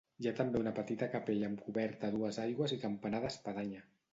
Hi ha també una petita capella amb coberta a dues aigües i campanar d'espadanya.